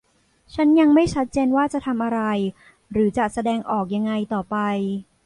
ฉันยังไม่ชัดเจนว่าจะทำอะไรหรือจะแสดงออกยังไงต่อไป